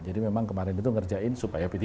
jadi memang kemarin itu ngerjain supaya p tiga gak naik